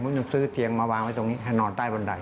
ยังซื้อเตียงมาวางไว้ตรงนี้ให้นอนใต้บันได